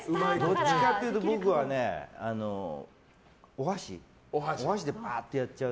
どっちかっていうと僕はお箸でばーっとやっちゃう。